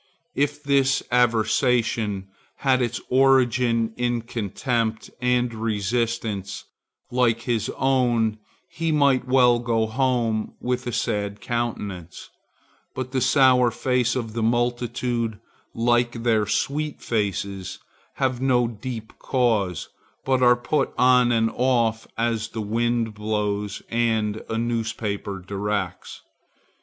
If this aversation had its origin in contempt and resistance like his own he might well go home with a sad countenance; but the sour faces of the multitude, like their sweet faces, have no deep cause, but are put on and off as the wind blows and a newspaper directs.